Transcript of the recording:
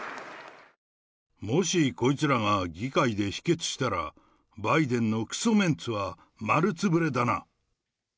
もしこいつらが議会で否決したら、バイデンのくそめんつは丸つぶれだな。